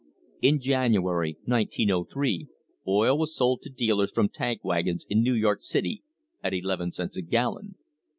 In January, 1903, oil was sold to dealers from tank wagons in New York City at eleven cents a gallon.